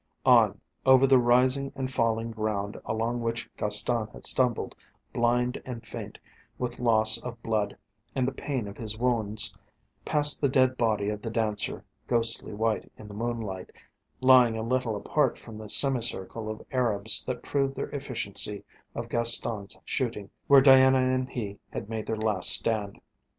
On, over the rising and falling ground along which Gaston had stumbled, blind and faint with loss of blood and the pain of his wounds, past the dead body of The Dancer, ghostly white in the moonlight, lying a little apart from the semicircle of Arabs that proved the efficiency of Gaston's shooting where Diana and he had made their last stand.